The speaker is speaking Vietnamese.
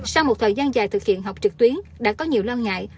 sau một thời gian dài thực hiện học trực tuyến đã có nhiều lo ngại